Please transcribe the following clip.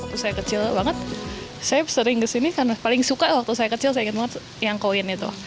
waktu saya kecil banget saya sering kesini karena paling suka waktu saya kecil saya ingin banget yang koin itu